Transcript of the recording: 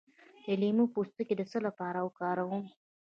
د لیمو پوستکی د څه لپاره وکاروم؟